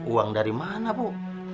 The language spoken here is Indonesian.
uang dari mana bu